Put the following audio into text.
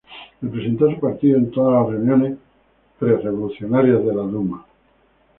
Representó a su partido en todas las reuniones pre revolucionarias de la Duma.